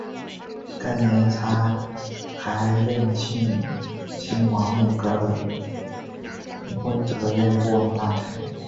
该年他还任庆亲王内阁的弼德院顾问大臣。